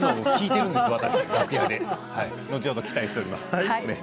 後ほど期待しております。